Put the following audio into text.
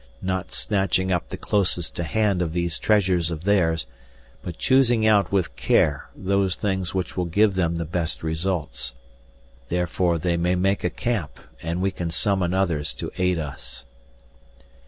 Not snatching up the closest to hand of these treasures of theirs, but choosing out with care those things which will give them the best results. Therefore they may make a camp, and we can summon others to aid us."